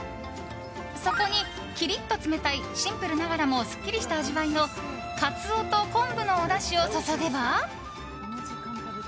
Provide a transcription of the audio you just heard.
そこに、きりっと冷たいシンプルながらもすっきりした味わいのカツオと昆布のおだしを注げば。